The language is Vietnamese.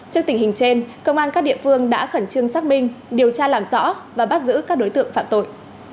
trước tình hình trên công an các địa phương đã khẩn trương xác minh điều tra làm rõ và bắt giữ các đối tượng phạm tội